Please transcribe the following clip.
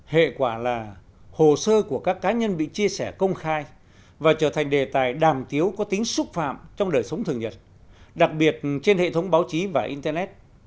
hệ quả là hồ sơ của các cá nhân bị chia sẻ công khai và trở thành đề tài đàm tiếu có tính xúc phạm trong đời sống thường nhật đặc biệt trên hệ thống báo chí và internet